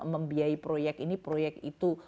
membiayai proyek ini proyek itu